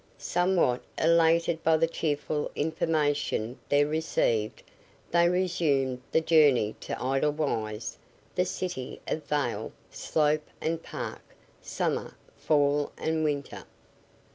Somewhat elated by the cheerful information there received, they resumed the journey to Edelweiss, the city of vale, slope and park, summer, fall and winter.